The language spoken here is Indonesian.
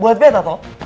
buat beta toh